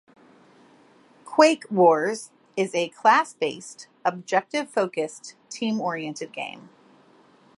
"Quake Wars" is a class-based, objective focused, team-oriented game.